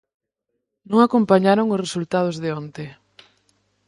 Non acompañaron os resultados de onte.